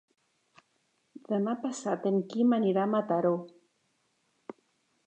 Demà passat en Quim anirà a Mataró.